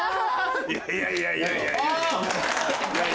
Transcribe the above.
いやいやいやいや。